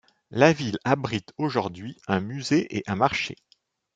La ville abrite aujourd'hui un musée et un marché.